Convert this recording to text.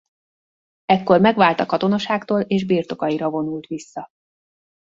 Ekkor megvált a katonaságtól és birtokaira vonult vissza.